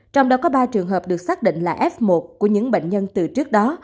trong đó có ba trường hợp được xác định là f một của những bệnh nhân từ trước đó